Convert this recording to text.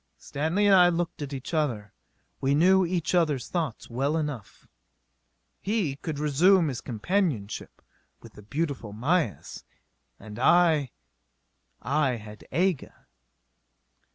Stanley and I looked at each other. We knew each others thoughts well enough. He could resume his companionship with the beautiful Mayis. And I I had Aga....